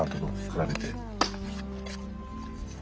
比べて。